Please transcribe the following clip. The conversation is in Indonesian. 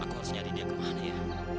aku harus nyari dia kemana ya